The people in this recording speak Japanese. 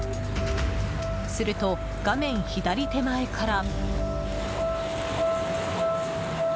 すると、画面左手前から。